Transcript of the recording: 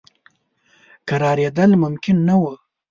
کرارېدل ممکن نه وه.